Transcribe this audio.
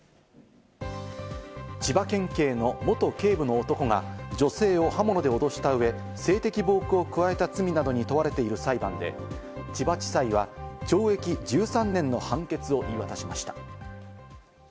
千葉県警の元警部の男が女性を刃物で脅したうえ、性的暴行を加えた罪などに問われている裁判で、千葉地裁は懲役１３年の判決を言い渡しました。